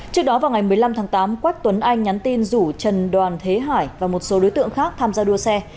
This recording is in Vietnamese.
trước đó vào ngày một mươi năm tháng tám quách tuấn anh nhắn tin rủ trần đoàn thế hải và một số đối tượng khác tham gia đua xe